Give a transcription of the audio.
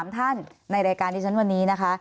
๓ท่านในรายการที่ฉันวันนี้นะคะ